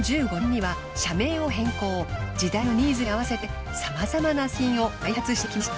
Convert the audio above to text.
時代のニーズに合わせてさまざまな製品を開発してきました。